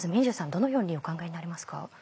どのようにお考えになりますか？